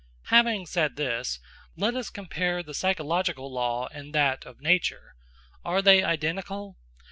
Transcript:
Having said this, let us compare the psychological law and that of nature. Are they identical?